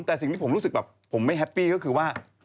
แต่สิ่งที่ผมรู้สึกแบบผมไม่แฮปปี้ก็คือว่า